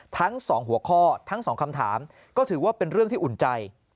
ทั้งสองหัวข้อทั้งสองคำถามก็ถือว่าเป็นเรื่องที่อุ่นใจ